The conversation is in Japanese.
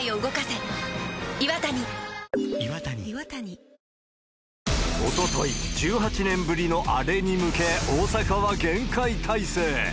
ポリグリップおととい、１８年ぶりのアレに向け、大阪は厳戒態勢。